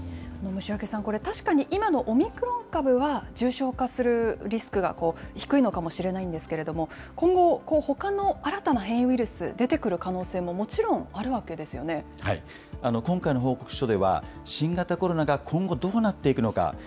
虫明さん、確かにこれ、今のオミクロン株は重症化するリスクが低いのかもしれないんですけれども、今後、ほかの新たな変異ウイルス、出てくる可能性もも今回の報告書では、新型コロナが今後、どうなっていくのか。